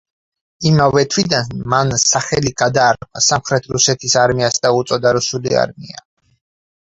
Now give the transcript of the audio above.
იმავე თვიდან მან სახელი გადაარქვა სამხრეთ რუსეთის არმიას და უწოდა რუსული არმია.